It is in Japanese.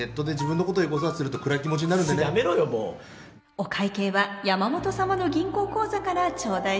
お会計は山本様の銀行口座から頂戴します。